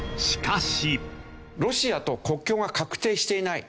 ロシアと国境が画定していない。